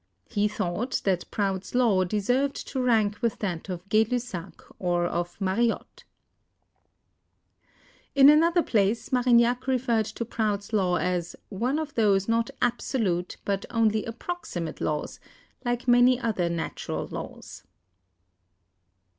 He thought that Prout's Law deserved to rank with that of Gay Lussac or of Mariotte. In another place Marignac referred to Prout's Law as THE ATOMIC WEIGHTS 277 one of those not absolute but only approximate laws, like many other natural laws.